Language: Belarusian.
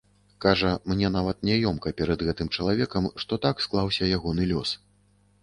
Кажа, мне нават няёмка перад гэтым чалавекам, што так склаўся ягоны лёс.